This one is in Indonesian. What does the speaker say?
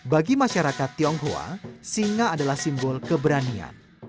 bagi masyarakat tionghoa singa adalah simbol keberanian